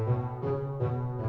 kamu juga suka